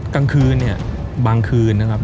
กลางคืนเนี่ยบางคืนนะครับ